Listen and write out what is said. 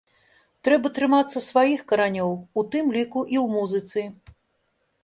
Трэба трымацца сваіх каранёў, у тым ліку і ў музыцы!